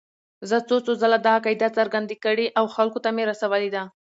زه څو څو ځله دا عقیده څرګنده کړې او خلکو ته مې رسولې ده.